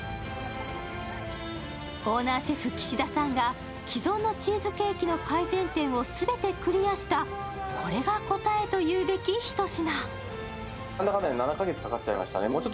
オーナーシェフ岸田さんが既存のチーズケーキの改善点を全てクリアしたこれが答えというべきひと品。